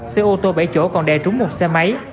xe ô tô bảy chỗ còn đè trúng một xe máy